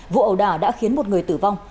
vụ ẩu đả đã khiến một người tử vong